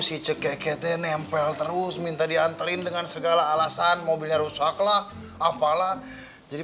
si ceket nempel terus minta dianterin dengan segala alasan mobilnya rusak lah apalah jadi